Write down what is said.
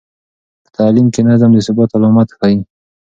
په تعلیم کې نظم د ثبات علامت دی.